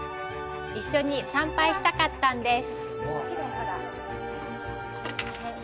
一緒に参拝したかったんです。